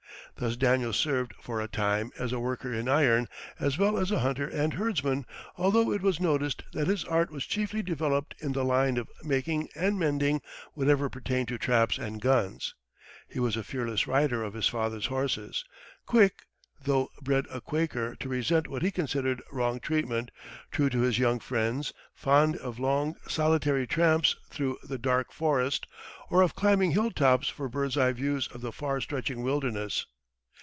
Thus Daniel served, for a time, as a worker in iron as well as a hunter and herdsman; although it was noticed that his art was chiefly developed in the line of making and mending whatever pertained to traps and guns. He was a fearless rider of his father's horses; quick, though bred a Quaker, to resent what he considered wrong treatment; true to his young friends; fond of long, solitary tramps through the dark forest, or of climbing hilltops for bird's eye views of the far stretching wilderness.